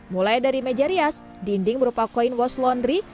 mulai dari meja rias dinding berupa koin wash laundry